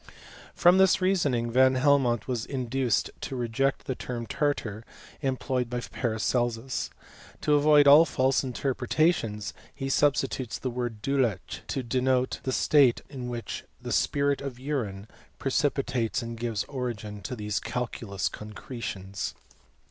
From this reasoning Van Helmont was induced to reject the term tartar, employed by Paracelsus. To avoid all fiJse interpretations he substitutes the word duelechy to denote the state in which the spirit of urine precipi tates and gives origin to these calculous concretions.